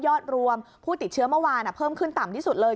อดรวมผู้ติดเชื้อเมื่อวานเพิ่มขึ้นต่ำที่สุดเลย